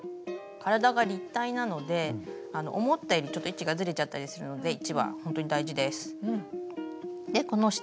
体が立体なので思ったよりちょっと位置がずれちゃったりするので位置はほんとに大事です。